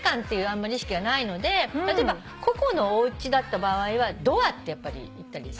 あんまり意識がないので例えば個々のおうちだった場合は「ドア」ってやっぱり言ったり。